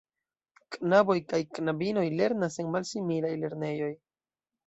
Knaboj kaj knabinoj lernas en malsimilaj lernejoj.